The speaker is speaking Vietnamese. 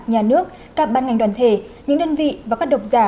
nhà nước các ban ngành đoàn thể những đơn vị và các độc giả